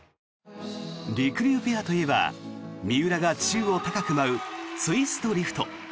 りくりゅうペアといえば三浦が宙を高く舞うツイストリフト。